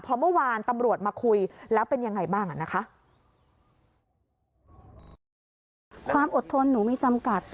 พอเมื่อวานตำรวจมาคุยแล้วเป็นอย่างไรบ้างนะคะ